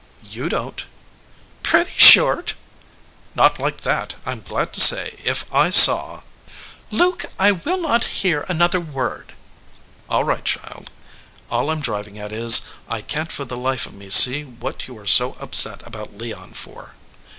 "You don t" "Pretty short." "Not like that, Pm glad to say. If I saw " "Luke, I will not hear another word." "All right, child. All I m driving at is, I can t for the life of me see what you are so upset about Leon for."